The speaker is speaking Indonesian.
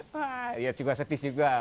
wah ya juga sedih juga